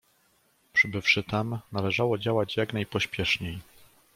"Przybywszy tam, należało działać jak najpospieszniej."